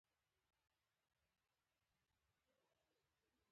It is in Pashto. بزگر شپه او ورځ زیار باسي.